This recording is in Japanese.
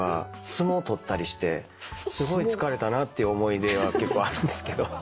相撲とったりしてすごい疲れたなっていう思い出は結構あるんですけど。